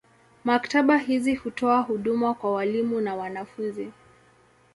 Maktaba hizi hutoa huduma kwa walimu na wanafunzi.